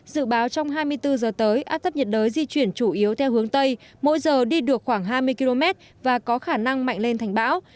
dự báo trong hai mươi bốn giờ tới áp thấp nhiệt đới di chuyển chủ yếu theo hướng tây mỗi giờ đi được khoảng hai mươi km và có khả năng mạnh lên thành bão